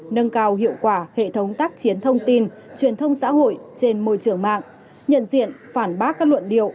nâng cao hiệu quả hệ thống tác chiến thông tin truyền thông xã hội trên môi trường mạng nhận diện phản bác các luận điệu